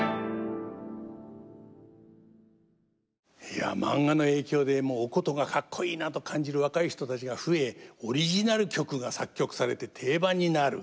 いやマンガの影響でお箏がカッコイイなと感じる若い人たちが増えオリジナル曲が作曲されて定番になる。